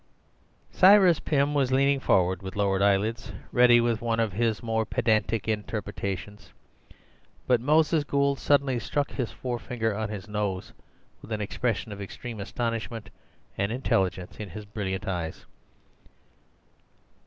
Cyrus Pym was leaning forward with lowered eyelids, ready with one of his more pedantic interpellations; but Moses Gould suddenly struck his forefinger on his nose, with an expression of extreme astonishment and intelligence in his brilliant eyes.